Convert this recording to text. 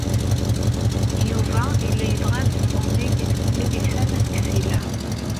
Yuba yella yebɣa ad d-tezmumeg Milisa n At Ksila.